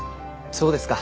そうですか。